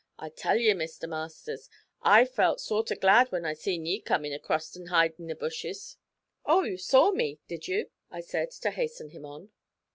I tell ye, Mr. Masters, I felt sort o' glad when I seen ye come acrost an' hide in the bushes.' 'Oh, you saw me, did you?' I said, to hasten him on.